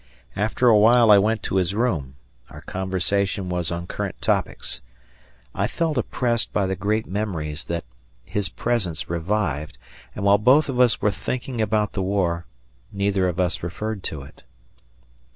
After a while I went to his room; our conversation was on current topics. I felt oppressed by the great memories that his presence revived, and while both of us were thinking about the war, neither of us referred to it.